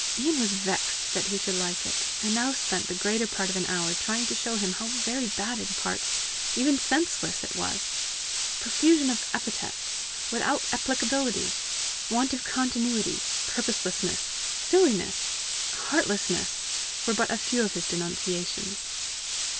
Ian was vexed that he should like it, and now spent the greater part of an hour trying to show him how very bad in parts, even senseless it was. Profusion of epithets without applicability, want of continuity, purposelessness, silliness, heartlessness were but a few of his denunciations.